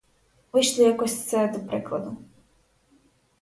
Вийшло якось це до прикладу.